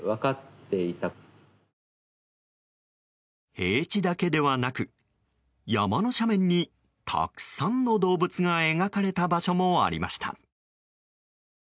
平地だけではなく山の斜面にたくさんの動物が描かれた場所もありました。